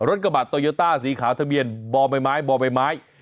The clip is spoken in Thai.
รถกระบาดโตยต้าสีขาวทะเมียนบอมไม้ไม้บอมไม้ไม้